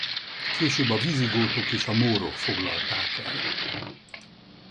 Később a vizigótok és a mórok foglalták el.